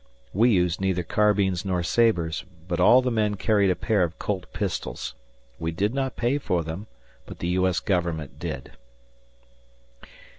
We used neither carbines nor sabres, but all the men carried a pair of Colt pistols. We did not pay for them but the U. S. Government did.